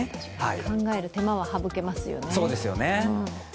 考える手間は省けますよね。